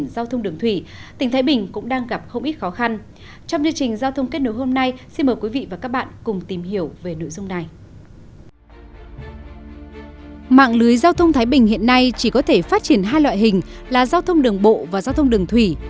mạng lưới giao thông thái bình hiện nay chỉ có thể phát triển hai loại hình là giao thông đường bộ và giao thông đường thủy